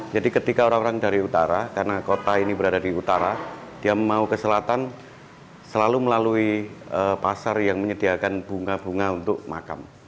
jadi ketika orang orang dari utara karena kota ini berada di utara dia mau ke selatan selalu melalui pasar yang menyediakan bunga bunga untuk makam